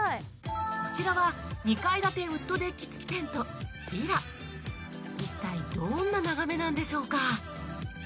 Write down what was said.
こちらは一体どんな眺めなんでしょうか？